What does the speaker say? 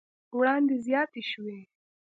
وړاندې زياته شوې